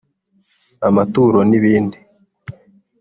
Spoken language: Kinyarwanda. amaturo n’ibindi